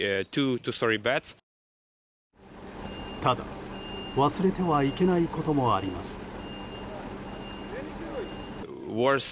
ただ、忘れてはいけないこともあります。